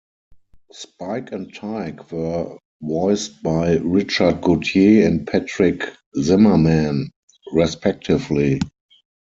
Spike and Tyke were voiced by Richard Gautier and Patric Zimmerman, respectively.